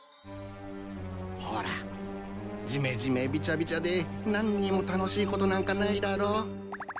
ほらじめじめびちゃびちゃで何にも楽しいことなんかないだろ。